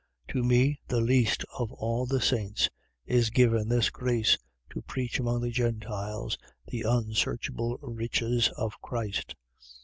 3:8. To me, the least of all the saints, is given this grace, to preach among the Gentiles the unsearchable riches of Christ: 3:9.